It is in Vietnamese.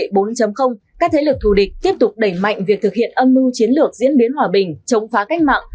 trong thời đại công nghệ bốn các thế lực thù địch tiếp tục đẩy mạnh việc thực hiện âm mưu chiến lược diễn biến hòa bình chống phá cách mạng